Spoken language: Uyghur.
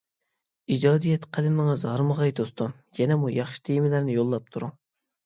ئىجادىيەت قەلىمىڭىز ھارمىغاي دوستۇم، يەنىمۇ ياخشى تېمىلارنى يوللاپ تۇرۇڭ.